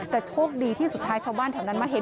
แต่โชคดีที่สุดท้ายชาวบ้านแถวนั้นมาเห็น